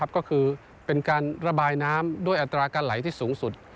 ก็คือเป็นการระบายน้ำด้วยอัตราการไหลที่สูงสุด